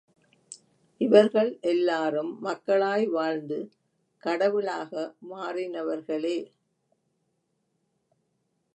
இவர்கள், எல்லாரும் மக்களாய் வாழ்ந்து கடவுளாக மாறினவர்களே!